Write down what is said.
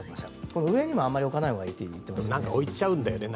上にもあまり置かないほうがいいといいますね。